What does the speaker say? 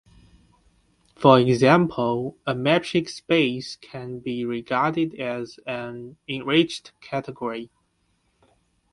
For example, a metric space can be regarded as an enriched category.